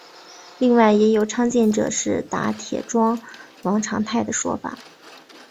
另外也有倡建者是打铁庄王长泰的说法。